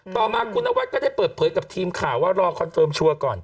ต่อมาคุณนวัดก็ได้เปิดเผยกับทีมข่าวว่ารอคอนเฟิร์มชัวร์ก่อน